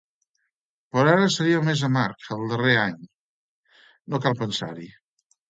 Però ara seria més amarg, al darrer any… No cal pensar-hi.